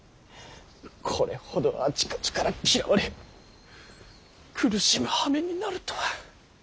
これほどあちこちから嫌われ苦しむはめになるとは。